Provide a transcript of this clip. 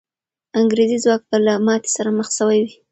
انګریزي ځواک به له ماتې سره مخ سوی وي.